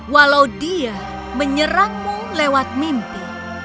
walau dia menyerangmu lewat mimpi